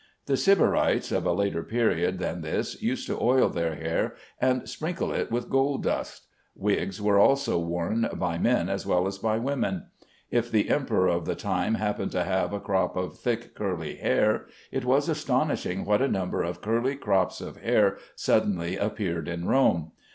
The Sybarites, of a later period than this, used to oil their hair and sprinkle it with gold dust. Wigs were also worn, by men as well as by women. If the emperor of the time happened to have a crop of thick curly hair, it was astonishing what a number of curly crops of hair suddenly appeared in Rome.